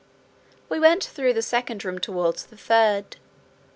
We went through the second room towards the third.